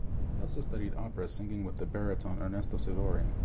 He also studied opera singing with the baritone Ernesto Sivori.